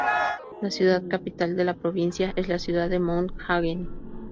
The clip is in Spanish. La ciudad capital de la provincia es la ciudad de Mount Hagen.